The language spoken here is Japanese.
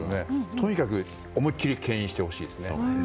とにかく、思いっきり牽引してほしいですね。